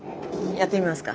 やってみますか。